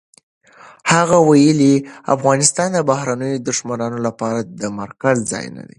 هغه ویلي، افغانستان د بهرنیو دښمنانو لپاره د مرکز ځای نه دی.